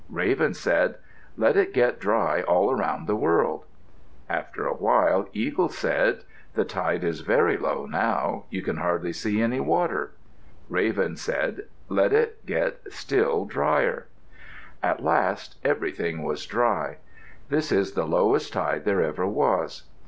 Raven said, "Let it get dry all around the world." After a while, Eagle said, "The tide is very low now. You can hardly see any water." Raven said, "Let it get still drier." At last everything was dry. This is the lowest tide there ever was.